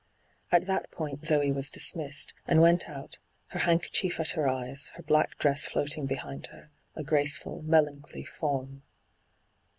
At that point Zee was dismissed, and went out, her handkerchief at her eyes, her black dress floating behind her, a graceful, melan choly form.